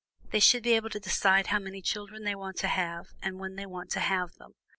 THEY SHOULD BE ABLE TO DECIDE HOW MANY CHILDREN THEY WANT TO HAVE, AND WHEN THEY WANT TO HAVE THEM.